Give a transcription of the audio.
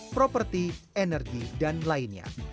properti energi dan lainnya